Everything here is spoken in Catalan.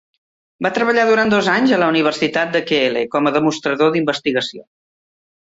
Va treballar durant dos anys a la Universitat Keele como demostrador d'investigació.